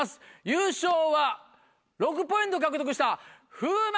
優勝は６ポイント獲得した風磨！